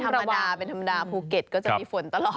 เหตุว่าอากาศโอเคเลยล่ะ